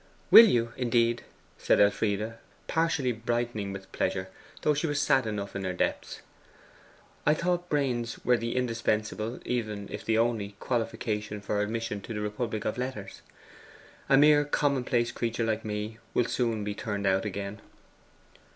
'Will you, indeed?' said Elfride, partially brightening with pleasure, though she was sad enough in her depths. 'I thought brains were the indispensable, even if the only, qualification for admission to the republic of letters. A mere commonplace creature like me will soon be turned out again.